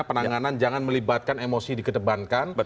penanganan jangan melibatkan emosi dikedebankan